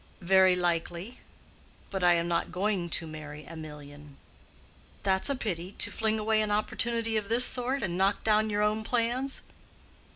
"Very likely. But I am not going to marry a million." "That's a pity—to fling away an opportunity of this sort, and knock down your own plans."